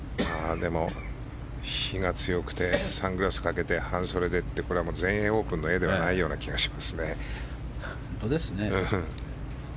でも日が強くてサングラスをかけて半袖でってこれは全英オープンの画ではない気がしますね。